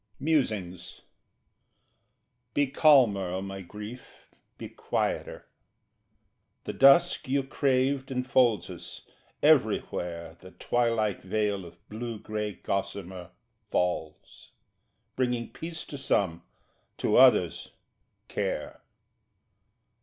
Musings Be calmer, O my Grief, be quieter: The dusk you craved enfolds us; everywhere The twilight veil of blue grey gossamer Falls, bringing peace to some, to others care.